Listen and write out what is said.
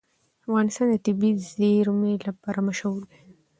افغانستان د طبیعي زیرمې لپاره مشهور دی.